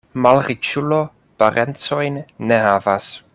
Malriĉulo parencojn ne havas.